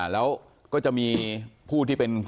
แล้วก็จะมีผู้ที่เป็น